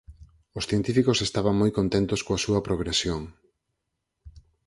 Os científicos estaban moi contentos coa súa progresión.